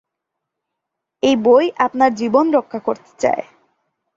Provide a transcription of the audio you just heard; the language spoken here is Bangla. এই বই আপনার জীবন রক্ষা করতে চায়।